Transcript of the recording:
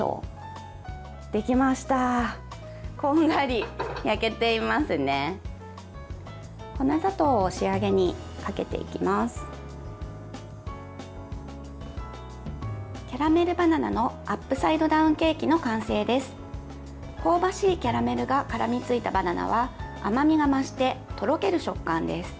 香ばしいキャラメルが絡みついたバナナは甘みが増してとろける食感です。